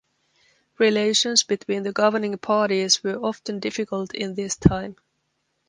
Relations between the governing parties were often difficult in this time.